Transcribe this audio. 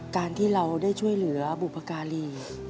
การที่เราได้ช่วยเหลือบุพการี